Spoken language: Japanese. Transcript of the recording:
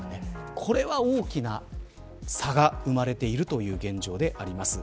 これは大きな差が生まれているという現状であります。